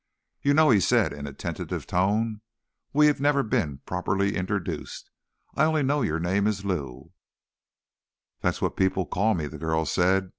"You know," he said in a tentative tone, "we never have been properly introduced. I only know your name is Lou." "That's what people call me," the girl said.